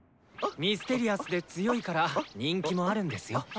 ミステリアスで強いから人気もあるんですよ。